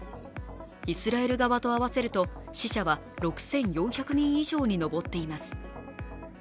イスラエル側と合わせると死者は６４００人以上に上っています。